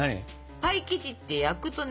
パイ生地って焼くとね